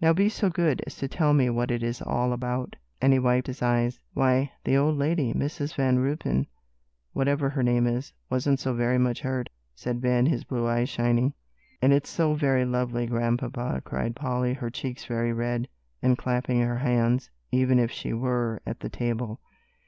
Now be so good as to tell me what it is all about," and he wiped his eyes. "Why, the old lady, Mrs. Van Ruypen, whatever her name is, wasn't so very much hurt," said Ben, his blue eyes shining. "And it's so very lovely, Grandpapa," cried Polly, her cheeks very red, and clapping her hands, even if she were at the table.